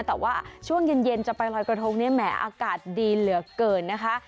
แต่ว่าช่วงเย็นจะไปลอยกระทงเนี่ยแหมอากาศดีเหลือเกินนะคะ